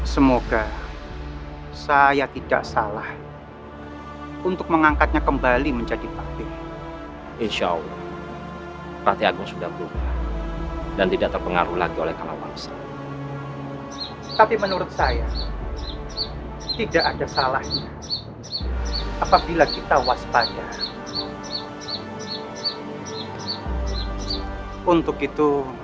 selama kita benar kenapa kita pasti takut